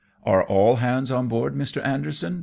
" Are all hands on board, Mr. Anderson